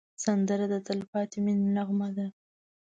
سندره د تل پاتې مینې نغمه ده